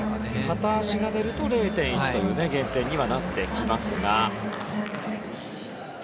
片足が出ると０．１という減点にはなってきますが。